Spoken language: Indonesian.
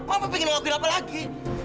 mama pengen ngelakuin apa lagi